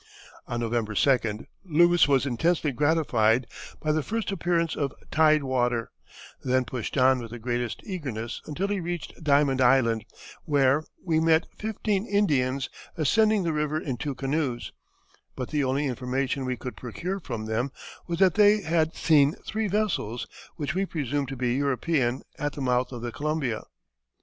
On November 2d, Lewis was intensely gratified by the first appearance of tide water, and pushed on with the greatest eagerness until he reached Diamond Island, where "we met fifteen Indians ascending the river in two canoes; but the only information we could procure from them was that they had seen three vessels, which we presumed to be European, at the mouth of the Columbia."